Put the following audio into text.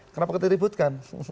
kenapa kita ributkan